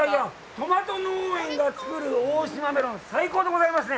とまと農園が作る大島メロン、最高でございますね。